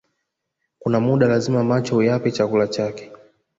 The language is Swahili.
Kuna muda lazima macho uyape chakula chake